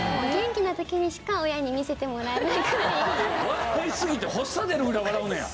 笑いすぎて発作出るくらい笑うんねや？